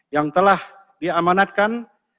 yang telah diamanatkan